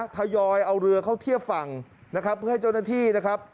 ทยอยเอาเรือเข้าเทียบฝั่งนะครับเพื่อให้เจ้าหน้าที่นะครับ